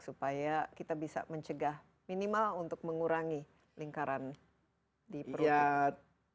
supaya kita bisa mencegah minimal untuk mengurangi lingkaran di perumahan